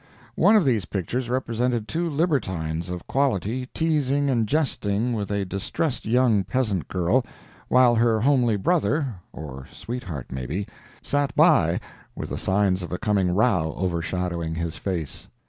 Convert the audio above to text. One of these pictures represented two libertines of quality teasing and jesting with a distressed young peasant girl, while her homely brother, (or sweetheart, maybe,) sat by with the signs of a coming row overshadowing his face.